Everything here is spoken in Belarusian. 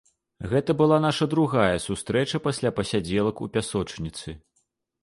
Гэта была наша другая сустрэча пасля пасядзелак у пясочніцы.